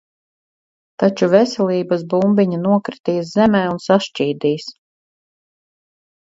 Taču veselības bumbiņa nokritīs zemē un sašķīdīs.